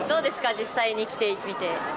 実際に来てみて。